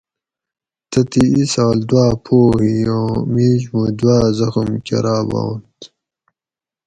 تتھیں اِسال دوا پوہ ھی اُوں میش موں دوا زخم کرابانت